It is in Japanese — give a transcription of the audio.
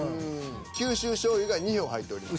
九州しょうゆが２票入っております。